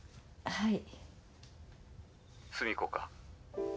はい。